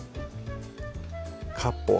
かっぽう